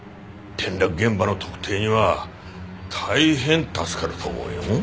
転落現場の特定には大変助かると思うよ。